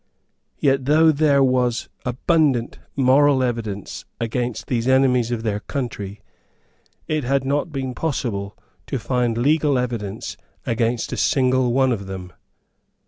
Yet, though there was abundant moral evidence against these enemies of their country, it had not been possible to find legal evidence against a single one of them.